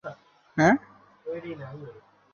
তবে তাদের বাঁধা খুব একটা ফলপ্রসূ হয়নি।